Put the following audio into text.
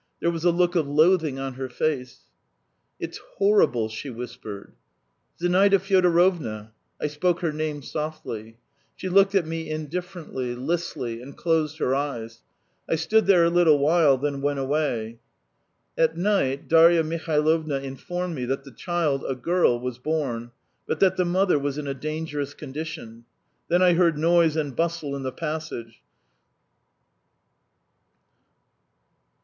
... There was a look of loathing on her face. "It's horrible ..." she whispered. "Zinaida Fyodorovna." I spoke her name softly. She looked at me indifferently, listlessly, and closed her eyes. I stood there a little while, then went away. At night, Darya Mihailovna informed me that the child, a girl, was born, but that the mother was in a dangerous condition. Then I heard noise and bustle in the passage.